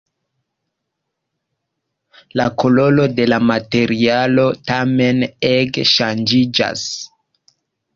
La koloro de la materialo tamen ege ŝanĝiĝas.